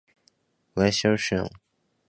여러분안녕하세요